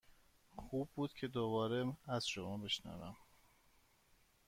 خوب بود که دوباره از شما بشنوم.